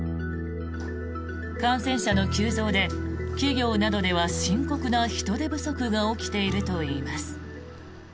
感染者の急増で企業などでは深刻な人手不足が起きているといいます。